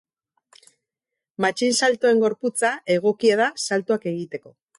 Matxinsaltoen gorputza egokia da saltoak egiteko.